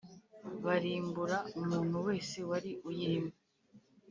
Barimbura umuntu wese wari uyirimo